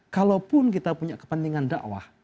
kalaupun kita punya kepentingan dakwah